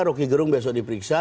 roky gerung besok diperiksa